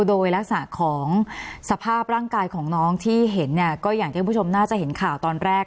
โดยลักษณะของสภาพร่างกายของน้องที่เห็นเนี่ยก็อย่างที่คุณผู้ชมน่าจะเห็นข่าวตอนแรก